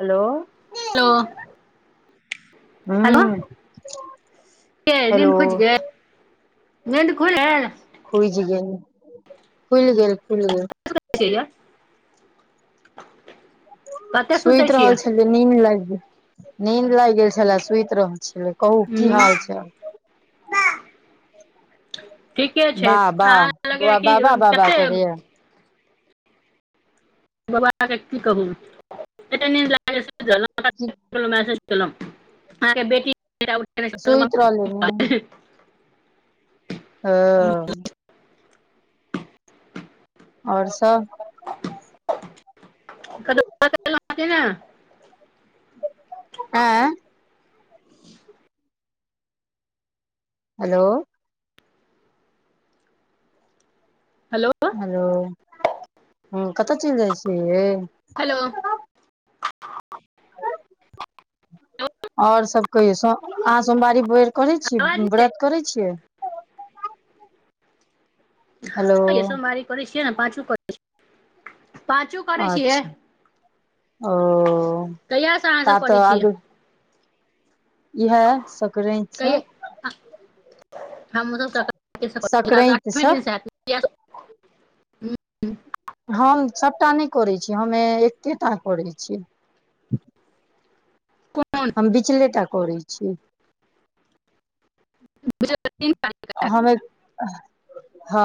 हलो। Hello hello. [inaudible] Hello नींन्द खुजि गेल नीन्द खुलगेल। खुज गेल खुल गेल खुल गेल। कते छिये यो। सुति रहल छलिय नीन्द लागि गेल नीद लागि गेल छलए सुति रहल छल। कहू की हूँ हाल चाल? [unintelligible] ठीके छै वाह वाह अहाँ लगै बौआ कि बाबा बाबा कते करैये बाबाकेँ की कहू एतेऽ निन्द लागैए सुमित की रहलउ मेसेज केलै अहके बेटी सुति रहलै ने [unintelligible] हँ। ओर सब। ल ने [inaudible] आँ हेलो। हेलो हेलो ह कतऽ चलि जाइ छिय मे। हेलो आओर सब कहियो स अहाँ सोमवारी भर करै आवाज छियै नै व्रत करै छियै? हेलो ह ये सोमवारी करै छिय ने पांचो करै छी। अच्छा ओ कहिया से अहाँ त सब करै तऽ छियै आगे इएह संकराइत सँ। हमरो संक्राते सकराइत से स [inaudible] हम सभटा नहि करै छीय हमे एकेटा करैऽ छियै। कोन हम बिचले टा करैऽ छीयै। [unintelligible] हमे हँ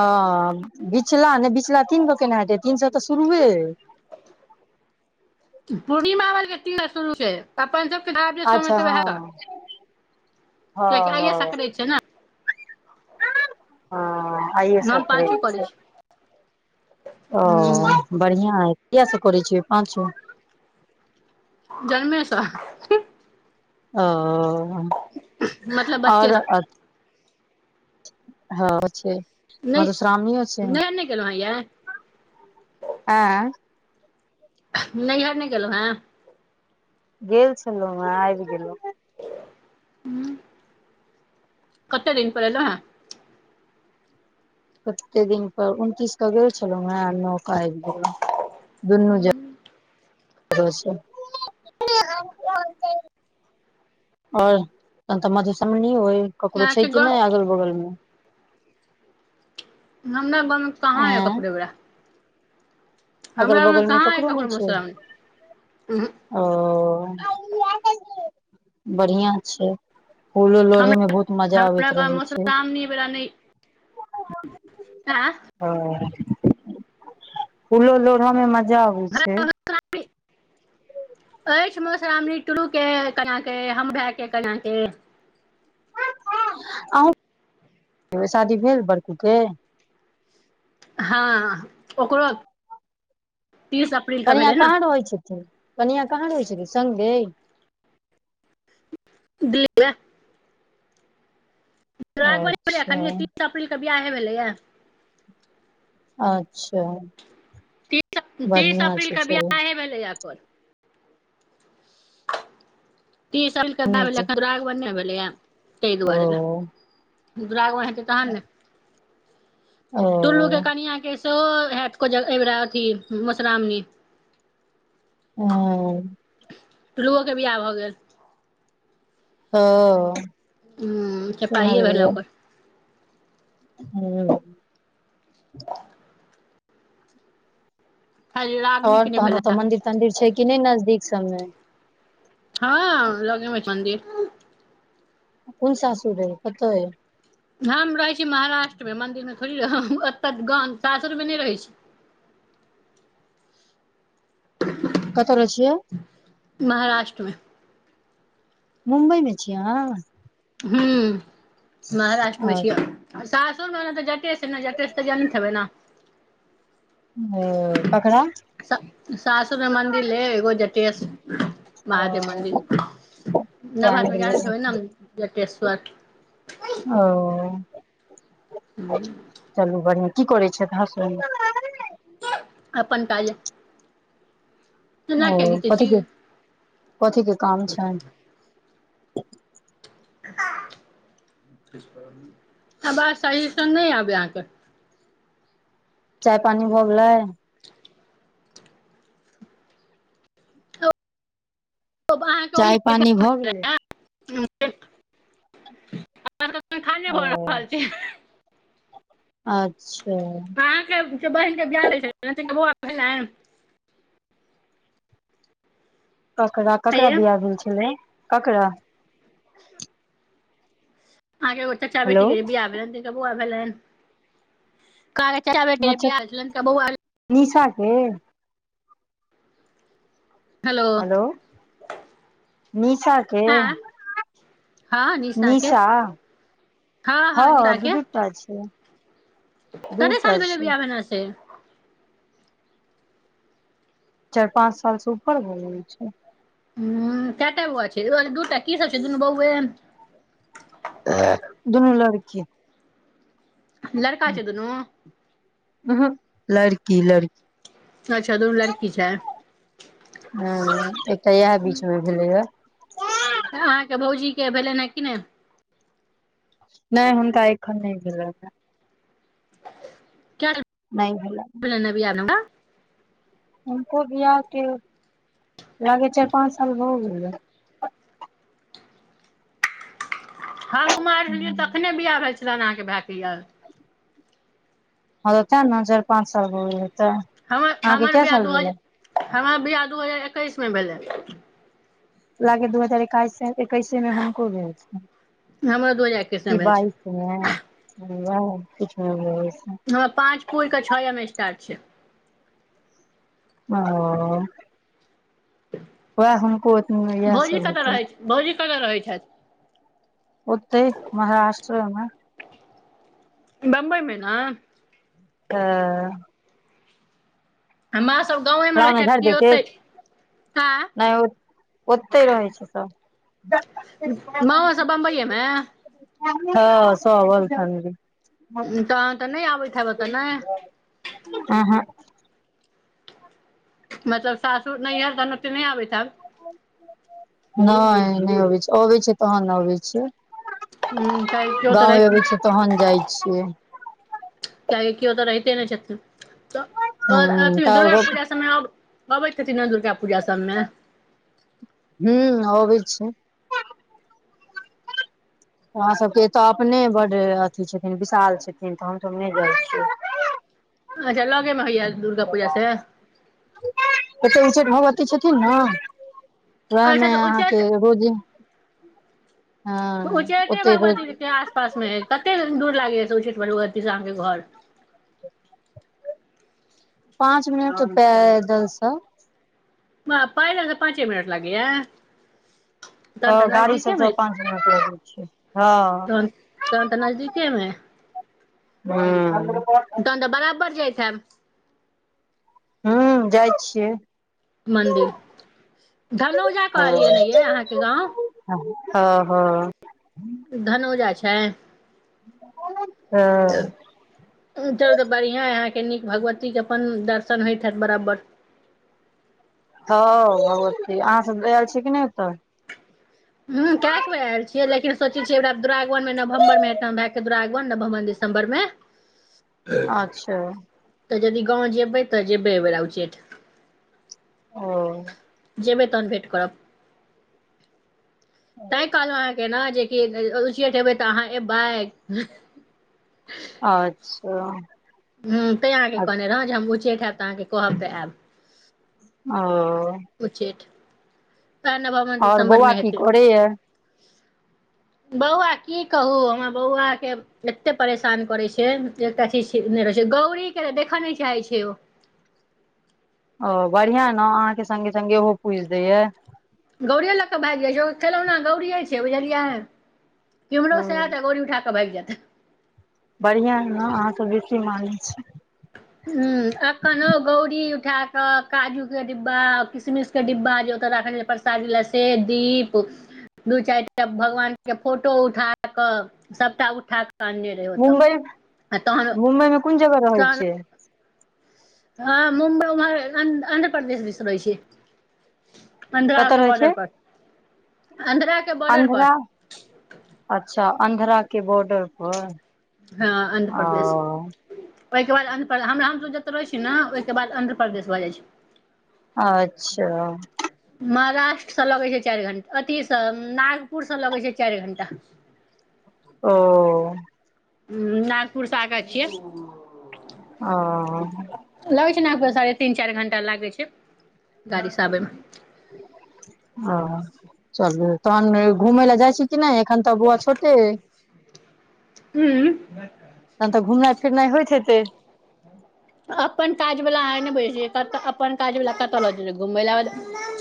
बिचला नहि बिचला तीन गो केना हेतै तीन सए तऽ शुरुए अइ। पूर्णिमा बरके तीना शुरू छै। अपन सबके आब जे सोम अच्छा एतऽ वएह सँ हँ कियकि आइए हँ हँ सक्राइत छै ने‌। ह आइए हम पाँचो सक्राइत करै छै। छी ओ हूँ बढ़िआँ हइ किया सब करै छियै पाँचो। जन्मेस। ओ मतलब आओर बच्चेसँ हँ छै नहि मधुश्रावणीयो छै। नैहर नहि गेलहुँ हेँ यै आँ नहिहर नहि गेलै हँं। गेल छलौ हँ आइब गेलहु। हूँ कते दिन पर एलौ हे? कते दिन पर उनतीस क गेल छलहु ह नौ का आबि गेलौ दुनू जगह हूँ [unintelligible] आओर अहांके तऽ मधुश्रावणिओ अइ, ककरो छै अहाँके कि नहि गाँव अगल बगल मे। हमरा बगल मे कहाँ ये एं ककरो ऐ बेरा। अगल बगल मे कहाँ यऽ ककरो नहि छै। मधुश्रावणी उहूँ ओ बढ़िया छै, फूल उल लोढ़े मे हमरा बहुत मजा हमरा आबैत गाम रहे मे छै मधुश्रावणी बला नै एं। ओ, फूलो लोढ़ऽमे मजा अबै हमरा छै। गाँवमे मधुश्रावणी [inaudible] अछि मधुश्रावणी टुलू के केना के हमरा के केना के अूँ [unintelligible] शादी भेल बड़कूके? हँ ओकरो तीस अप्रील के कनिया भेलै ने कहाँ रहै छथिन कनिया कहाँ रहै छथिन, संगे दीपे। दुरागमन नै अच्छा भेलैन, तीस अप्रैलके बियाहे भेलैए। अच्छा। तीस तीस बढ़िया छै अप्रीलके चलू बियाहे भेलैये ओकर तीन साल के सुनै बाद छै अखैन दुरागमन नै भेलैये तै दुआरे ओ दुरागमन हेतै तखन ने, ओ टुल्लूके कनिया के सेहो हैत ऐ बेरा मधुश्रावणी। हँ टुलुओ के बिआाह भऽ गेल। ओ। हुं चपाहिये भेलै ओकर। हुं। [inaudible] खाली और रागनीके नहि तखैन भेलै ओतऽ मंदिर तंदिर छै कि नहि नजदीक सबमे। हँ लगेमे अछि मन्दिर। कोन सासुर भेल पुतैर हम रहै छी महाराष्ट्र मे, मंन्दिर मे थोड़ी रह ओतऽ गेल ता सासुरमे नहि रहै छी। ह [inaudible] कतऽ रहै छियै? महाराष्ट्रमे। मुम्बई मे छियै अहाँ? हुं, महाराष्ट्र मे अ- छियै। सासुरमे त जते कि नै जेतै, जनैत हेबै ने। हं केकरा। सासुर मे मन्दिर ऐछ एगो जटेस महादेव ओ मन्दिर, ज्ञान नभहत में गेलै जानैत हेबै ने जटेश्वर। ओ चलू बढ़िआं। की करै छैथ हस्बैंड अपन काज ये। ओ घीचै कथि छी के, कथी के काम छनि। आवाज सही सा नई आबैये अहांके। चाय पानी भऽ गेलै। चाय अहाँके पानी भऽ गेलै [unintelligible] जलपाने भ रहल छै ओ [unintelligible] अच्छा। अहाँके जे बहिन के बियाह भेल छलैन है तिनका बौआ भेलैन? ककरा हे ककरा यै बिआह भेल छलै ककरा? अहाँके एगो चाचा हेलो बेटीक के जे बीआह भेलइन तिनका बौआ भेलइन। हमर च [inaudible] निशा के। हेलो निशा के। आँ हँ के निशा हँ दु दु टा छै। कते दूटा साल भेले छै बिआह भेला से चाइर पाँच साल स ऊपर भ गेल छै। ह कएटा बौआ छै दूटा की सब छै दुनू बौवे। दुनू लड़की। लड़का छै दूनू? उहू लड़की लड़की। अच्छा दुनू लड़की छैै। हँ एकटा येह बीच मे भेलेय या। अहाँके भौजी के भेलइन है कि नहि। नहि हुनका एखन नहि भेलैइन है। कै साल नहि भेलइन। [unintelligible] हुनको बियाह के लागय या चाइर पाँच साल भऽ गेलेय। हम कुमाइर छलिये हँ तखने बिआह भेल छलइन अहाँके भाके यैय। हँ त तैं ने चार पाँच साल भर गेल हैतय। हमर हमर बिआह दू हजार हमर बियाह दू हजार एकैसमे भेला। लागय दू हजार एकाइस मे एकैस मे हुनको भेल छइन हमरो दू हजार एकैस की मे भेल छै बाइ [unintelligible] किछु नहि भेल छइन। हमारा पाँच पुरके छयम स्टार्ट छै। अओ। वैह हुनको ओतनिये यैह भौजी सब कतऽ हेतैय। रहै छै? भौजी कत्त रहै छैथ? ओतय महाराष्ट्रमे। बम्बई मे ने। हुं। मां सब गांवे मे लाउ रहै ने छैथ झाड़ि की देतै ओतै। आँ नहि ओ ओतेय रहै छै सब। मांवो सब बम्बईये मे। हँ सब ऑल फैमिली। तऽ अहाँ त नहि आबैत हेब एतऽ ने। उहुक। मतलब सासुर नैहर तहन ओते नहि आबैत हैब। नइ नहि अबै छी अबैय छै तहन अबै छिये। हुं [unintelligible] तहन जाइ छियै। कीयाकि किओतऽ रहिते नहि छथिन तऽ हूं अथि तब दुर्गा पूजा सब मे अब आबै छथिति न दुर्गा पूजा सब मे। हू आबी छै। हमरा सबके एतय अपने बड़ अथी छथिन विशाल छथिन तऽ हमसभ नहि जाइ छियै अच्छा लगेमे हैय। एतऽ उ्चैठ भगवती छथिन ने। वएहमे अच्छा तऽ अहाँके उच्चैठ रोजी हँ ओते रोज स पास मे कते दूर लागेय उ्चैठ भगवती से आहाँ के घर पाँच मिनट पै दलसँ बाह पैदल से पाँचे मिनट लागैए। ह गाड़ी सबसँ मे पाच मिनट लागै छै हँ। तहन तहन तऽ नजदीकेमे हूं। तहन तऽ बराबर जाइत हेब हू जाइ छियै। मन्दिर धनौजा हँ कहलियै ने ये अहाँके गाँव हँ हँ। धनौजा छै। हँ। उ तऽ बढ़िआँ अहाँके नीक भगवतीके अपन दर्शन होइत हैत बराबर हँ भगवति अहाँ सब आयल छी कि नहि ऐतऽ उं केक आल छियै लेकिन सोच छियै ओरा दुरागवनमे नवम्बर मे एत भए क दुरागमन नवम्बर दिसम्बर मे। अच्छा। तऽ जदि गाँव जेबै तऽ जेबै ए बेर उ चेठ- ओ। जेबै तहन भेट करब तैं कहलो हे केना जे की तऽ उ्चैठ अहाँ ए बैग अच्छा। हँ तैँ आहके कहने रहौ जे हम उच्चैठ एब तऽ अहाँके कहबऽ त आयब। ओ। उच्चैठ धन बाब और बौआ की करे य। बौआ की कहू हमरा बौआके एते परेशान करै छै एकटा चीज नहि रहै छै गौरी के देखऽ नहि चाहैत छै ओ ओ बढ़िया ने अहाँके संगे सगे ओहो पूज दैया। गौरीए लऽ कऽ भागि जा ज खेलौना गौरीए छै बुझलियैे केमहरोसँ हँ हयत गौरी उठा कब आबि जेतै बढ़िआं ने अहाँ सऽ बेसी मानय छै ह अखनहु गौरी उठा क काजू के डिब्बा किसमिश के डिब्बा जे ओतह रखने- चारिल से दीप दू चायटा भगवान के फोटो उठा क सबटा उठा क मुम्बई अने मुम्बई मे कोन जगह तहन रहै [unintelligible] छियै हँ मुम्बइ उम्ह रान्ध्र आन्ध्रपदेश दिस रहै छि। कतऽ पान्ध्राके रहै छियै बॉर्डर पर आध्राके बॉर्डर पर आन्ध्रा अच्छा अन्ध्रा के बॉर्डर पर हँ ओ आन्ध्रपदेश ओहिके बाद आंध्र पर हमरा हम जू रहै छै ने ओहिके बाद आन्ध्रपदेश भऽ जाइ छै अच्छा महाराष्ट्रसँ लगै छय चारि घण अथिसँ नागपुरसँ लगै छै चारि घण्टा ओ नागपुर सऽ आगा छिये ओ लगै छै नागपुर साढ़े तीन चारि घण्टा लागै छै गाड़ीसँ आबैमे हऽ चलु तहन घुमै लए जाइ छी क नहि एखन तऽ बौआ छोटे अए हू तहन तऽ घुमनाइ फिरनाइ होइत हेतै अपन काज वला अहा नहि बुझै छियै कतऽ अपन काज वला कत लऽ जेतै घुमय ले बाद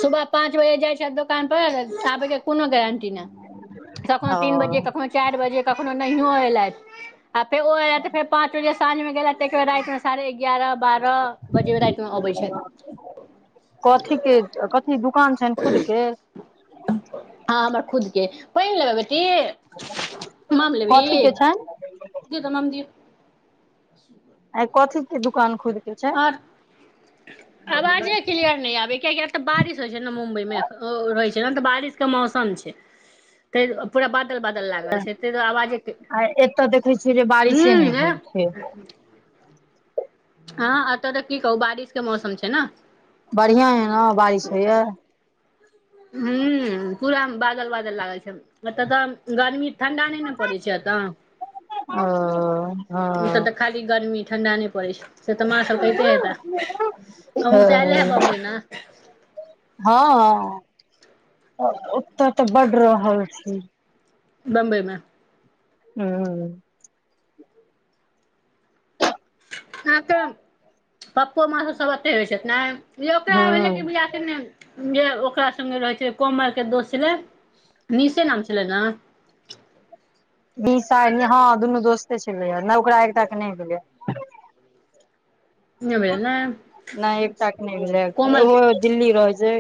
सुबह पाँच बजे जाए छैथ दो दुकान पर तऽ आबै कोनो गारंटी नहि कखनो ओ तीन बजे कखनो चारि बजे कखनो नहियो एलथि आ फेर ओ एलथि फेर पाँच बजे साँझ मे गेलथि तऽ एके बेर राति मे साढ़े एगारह बारह बजे मे राति मे अबै छथि कथी के कथी दुकान छनि खुद के हँ हमर खुद के पइन लेबै बेटी माम लेबही कथी के छनि दिगऽ मम दिय सुगर ऐय कथी के दुकान खुद के छै आप आवाजे क्लियर नहि आबैये कियेकी तऽ बारिश होए छै ने मुम्बई मे अख अ ओ रहै छै ने तऽ बारिश के मौसम छै तै पूरा बाद बदल बादल लागै छै आवाजे आ एतऽ देखै छियै जे कए हूं बारिशे नहि एह होइ छै हँ एतऽ तऽ की कहू बारिश के मौसम छै न बढ़ियां अए नऽ बारिश होए यै हू पूरा बादल बादल लागल छै एतऽ तऽ गर्मी ठण्डा नैय ने पड़ै छै ओ हँ एतऽ खाली गरमी ठण्डा नई पड़ै छै से तऽ माँ सब कहिते हेताऽ अहूँ तऽ अएले हेब बम्बई न हँ ओतऽ तऽ बडु रहल छी बम्बै मे हू अहाँके पप्पो माँ सब सब एत राहई छईथ नै यै ओकरा ह भेलै कि बुझै नै नै जे ओकरा संगे रहै छै कोमल के दोस छलै निशे नाम छलै नऽ निशा हा दुनू दोस्ते छले हऽ नहि ओकरा एकटा के नहि भेलेए नहि भेलै ने नई एकटा के नई भेलेए एखन कोमल के ओ दिल्ली रहै छै